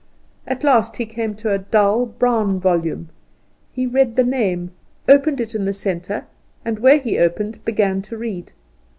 At last he came to a dull, brown volume. He read the name, opened it in the centre, and where he opened began to read.